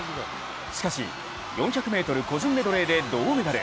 しかし、４００ｍ個人メドレーで銅メダル。